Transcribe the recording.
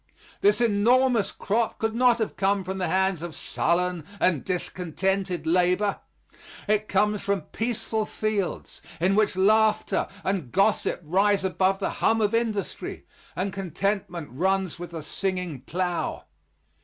This enormous crop could not have come from the hands of sullen and discontented labor. It comes from peaceful fields, in which laughter and gossip rise above the hum of industry, and contentment runs with the singing plough.